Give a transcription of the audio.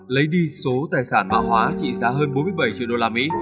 lấy đi số tài sản mạng hóa trị giá hơn bốn mươi bảy triệu đô la mỹ